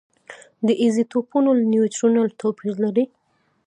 د ایزوټوپونو نیوټرونونه توپیر لري.